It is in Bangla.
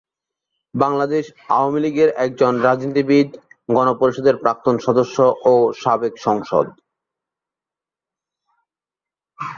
বাংলাদেশ আওয়ামী লীগের একজন রাজনীতিবিদ, গণপরিষদের প্রাক্তন সদস্য ও সাবেক সাংসদ।